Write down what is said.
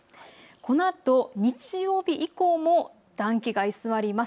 このあと月曜日以降も暖気が居座ります。